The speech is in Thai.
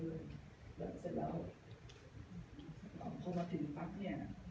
แล้วเสร็จแล้วพอมาถึงปั๊บเนี่ย